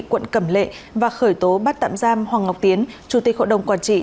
quận cẩm lệ và khởi tố bắt tạm giam hoàng ngọc tiến chủ tịch hội đồng quản trị